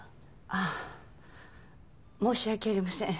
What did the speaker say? ああ申し訳ありません。